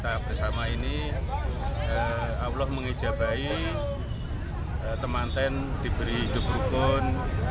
kita bersama ini allah mengijabai temanten diberi hidup rukun